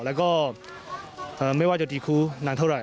แล้วก็ไม่ว่าจะตีคู่นานเท่าไห